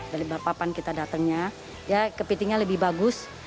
dari bapak bapak kita datangnya ya kepitingnya lebih bagus